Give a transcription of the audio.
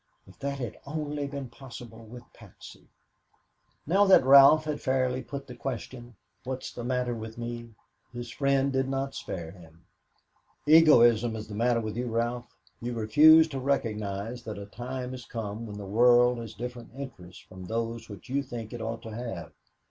If that had only been possible with Patsy! Now that Ralph had fairly put the question, "What's the matter with me?" his friend did not spare him. "Egotism is the matter with you, Ralph. You refuse to recognize that a time has come when the world has different interests from those which you think it ought to have.